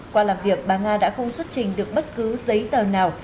qua làm việc bà nga đã không xuất trình được bất cứ giấy tờ nào